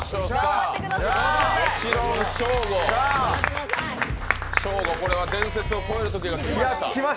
もちろんショーゴ、これは伝説を超えるときが来ました。